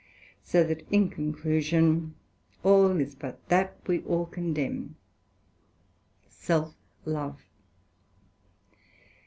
So that in conclusion, all is but that we all condemn, Self love.